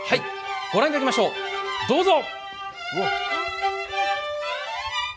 御覧いただきましょう、どうぞ。